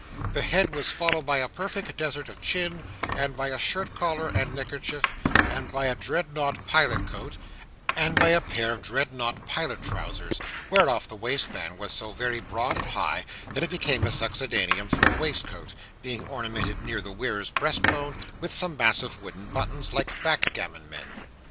The head was followed by a perfect desert of chin, and by a shirt collar and neckerchief, and by a dreadnought pilot coat, and by a pair of dreadnought pilot trousers, whereof the waistband was so very broad and high, that it became a succedaneum for a waistcoat: being ornamented near the wearer's breastbone with some massive wooden buttons, like backgammon men.